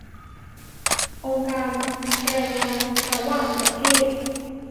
องค์การแรงงานระหว่างประเทศ